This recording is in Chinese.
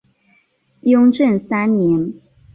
雍正三年。